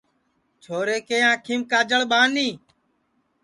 چھورے کے آنکھیم کاجݪ ٻانی